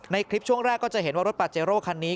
คลิปช่วงแรกก็จะเห็นว่ารถปาเจโร่คันนี้